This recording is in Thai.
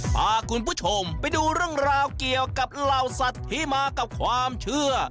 พาคุณผู้ชมไปดูเรื่องราวเกี่ยวกับเหล่าสัตว์ที่มากับความเชื่อ